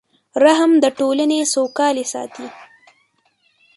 رحم د ټولنې سوکالي ساتي.